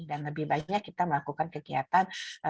dan lebih baiknya kita melakukan kegiatan